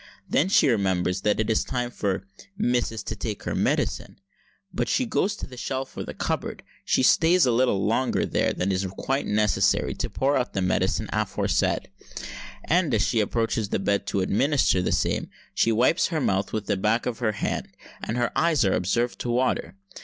Then she remembers that it is time "for missus to take her medicine;" but when she goes to the shelf or the cupboard, she stays a little longer there than is quite necessary to pour out the medicine aforesaid; and, as she approaches the bed to administer the same, she wipes her mouth with the back of her hand, and her eyes are observed to water.